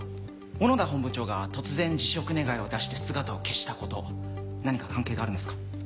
小野田本部長が突然辞職願を出して姿を消したこと何か関係があるんですか？